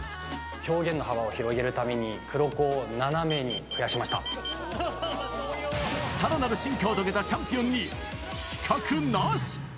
表現の幅を広げるために、さらなる進化を遂げたチャンピオンに、死角なし。